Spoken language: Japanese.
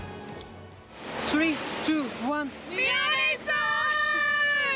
宮根さん。